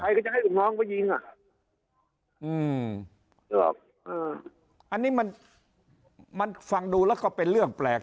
ก็จะให้ลูกน้องไปยิงอ่ะอืมเอออันนี้มันมันฟังดูแล้วก็เป็นเรื่องแปลก